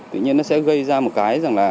tự nhiên nó sẽ gây ra một cái rằng là